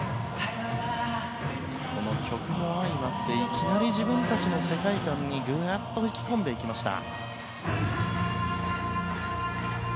曲も相まっていきなり自分たちの世界観に引き込んでいきました。